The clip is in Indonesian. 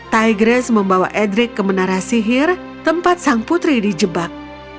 tigress membawa edric ke menara sihir tempat sang putri di jebak